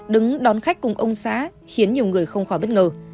đứng đón khách cùng ông xã khiến nhiều người không khỏi bất ngờ